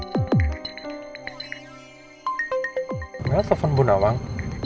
kenapa telepon bu nawang